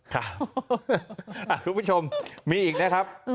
คุณผู้ชมมีอีกนะครับ